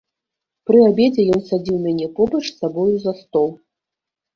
Пры абедзе ён садзіў мяне побач з сабою за стол.